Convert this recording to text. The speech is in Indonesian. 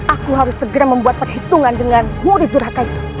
aku harus segera membuat perhitungan dengan murid durhaka itu